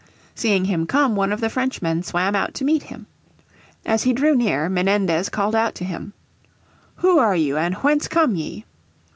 Seeing him come one of the Frenchmen swam out to meet him. As he drew near Menendez called out to him: "Who are you, and whence come ye?"